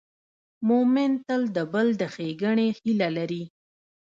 مؤمن تل د بل د ښېګڼې هیله لري.